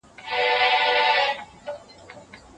مثبت خلګ د ژوند لارښوونکي دي.